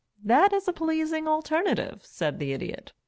"That is a pleasing alternative," said the Idiot.